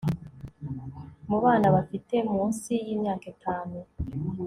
mu bana bafite munsi y'imyaka itanu